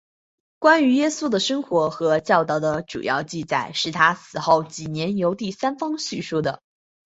关于耶稣的生活和教导的主要记载是他死后几年由第三方叙述的。